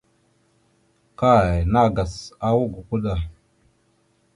Kay nàgas awak gakwa da.